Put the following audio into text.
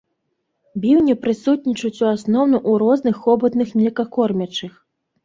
Біўні прысутнічаюць у асноўным у розных хобатных млекакормячых.